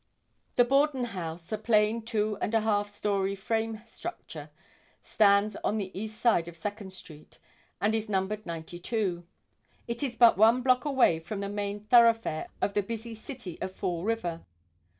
The Borden house, a plain two and a half story frame structure, stands on the east side of Second street and is numbered 92. It is but one block away from the main thoroughfare of the busy city of Fall River.